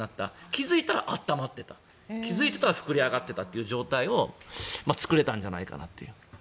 気付いたら温まっていた気付いたら膨れ上がっていたという状態を作れたんじゃないかなと。